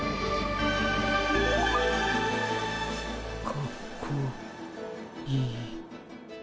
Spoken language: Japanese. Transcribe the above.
かっこいい。